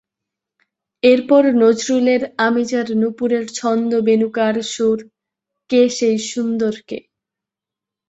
এরপর নজরুলের আমি যার নূপুরের ছন্দ বেণুকার সুর কে সেই সুন্দর কে?